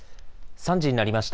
３時になりました。